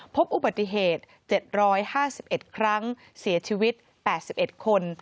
พบอุบัติเหตุ๗๕๑ครั้งเสียชีวิต๘๑คน